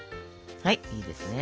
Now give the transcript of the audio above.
はいいいですね